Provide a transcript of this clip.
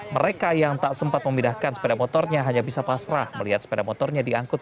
mereka yang tak sempat memindahkan sepeda motornya hanya bisa pasrah melihat sepeda motornya diangkut